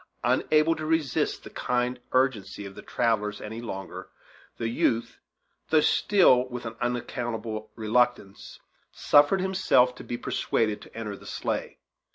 Unable to resist the kind urgency of the travellers any longer, the youth, though still with an unaccountable reluctance, suffered himself to be persuaded to enter the sleigh.